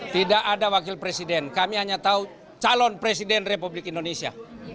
tidak ada wakil presiden kami hanya tahu calon presiden republik indonesia